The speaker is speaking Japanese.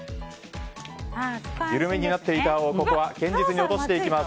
緩めになっていた青をここは堅実に落としていきます。